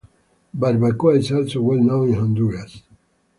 Barbacoa is also well known in Honduras.